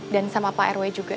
dan sama pak rw juga